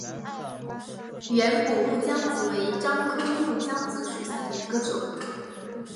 圆果木姜子为樟科木姜子属下的一个种。